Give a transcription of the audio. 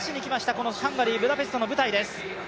このハンガリー・ブダペストの舞台です。